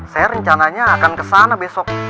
saya rencananya akan ke sana besok